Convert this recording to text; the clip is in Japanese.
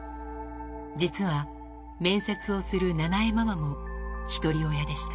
実は面接をするななえママもひとり親でした。